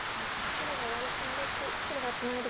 白がワリ込んで白がツナいで